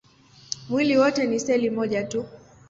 Mwili wote ni seli moja tu.